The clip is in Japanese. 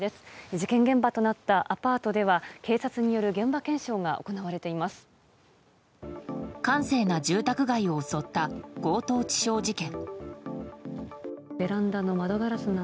事件現場となったアパートでは警察による現場検証が閑静な住宅街を襲った強盗致傷事件。